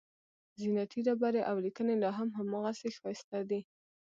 زینتي ډبرې او لیکنې لاهم هماغسې ښایسته دي.